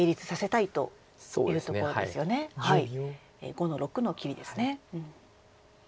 ５の六の切りです。